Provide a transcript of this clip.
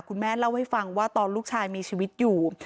คุณแม่เล่าให้ฟังว่าตอนลูกชายมีชีวิตอยู่